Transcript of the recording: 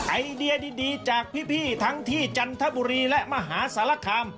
ไอเดียดีจากพี่ทั้งที่จันทบุรีและมหาสารคาม